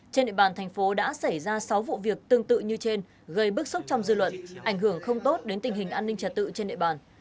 trên địa bàn thành phố đã xảy ra sáu vụ việc tương tự như trên gây bức xúc trong dư luận ảnh hưởng không tốt đến tình hình an ninh trả tự trên địa bàn